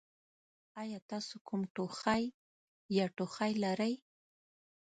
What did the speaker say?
ایا تاسو کوم ټوخی یا ټوخی لرئ؟